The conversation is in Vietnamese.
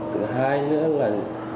thứ hai nữa là